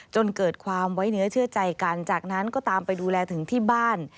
จนเกิดความไว้เนื้อเชื่อใจกันจากนั้นก็ตามไปดูแลถึงที่บ้าน